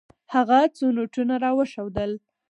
هغه څو نوټونه راوښودل.